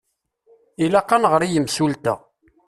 Ilaq ad nɣeṛ i yimsulta.